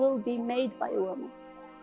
itu akan dibuat oleh wanita